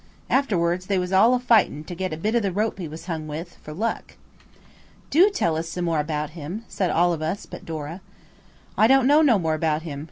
An afterwards they was all a fightin' to get a bit of the rope he was hung with, for luck." "Do tell us some more about him," said all of us but Dora. "I don't know no more about him.